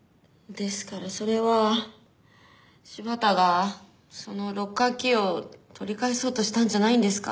ですからそれは柴田がそのロッカーキーを取り返そうとしたんじゃないんですか？